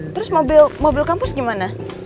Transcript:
terus mobil kampus gimana